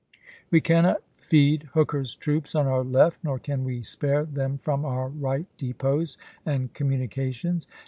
"We cannot feed Hooker's troops on our left, nor can we spare them from our right depots and communications.